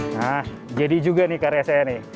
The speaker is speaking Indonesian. nah jadi juga nih karya saya nih